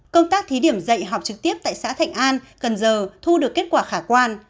công tác thí điểm dạy học trực tiếp tại xã thạnh an cần giờ thu được kết quả khả quan